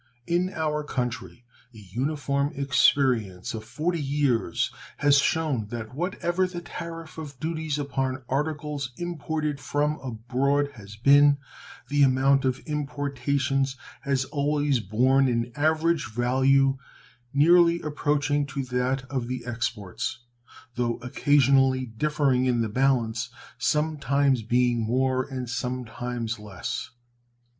In our country an uniform experience of 40 years has shown that what ever the tariff of duties upon articles imported from abroad has been, the amount of importations has always borne an average value nearly approaching to that of the exports, though occasionally differing in the balance, some times being more and some times less.